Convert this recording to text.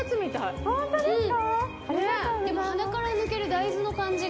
鼻から抜ける大豆の感じが。